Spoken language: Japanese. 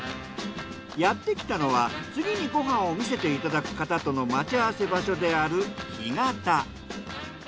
やってきたのは次にご飯を見せていただく方との待ち合わせ場所である干潟。